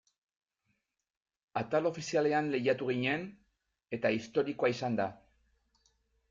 Atal ofizialean lehiatu ginen eta historikoa izan da.